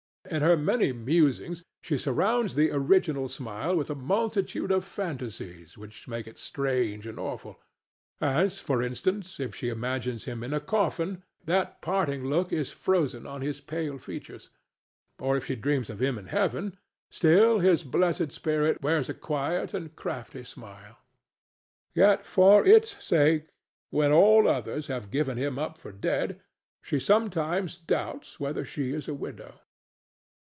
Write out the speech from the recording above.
In her many musings she surrounds the original smile with a multitude of fantasies which make it strange and awful; as, for instance, if she imagines him in a coffin, that parting look is frozen on his pale features; or if she dreams of him in heaven, still his blessed spirit wears a quiet and crafty smile. Yet for its sake, when all others have given him up for dead, she sometimes doubts whether she is a widow.